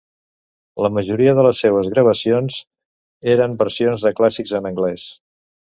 La majoria de les seues gravacions eren versions de clàssics en anglès.